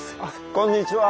こんにちは。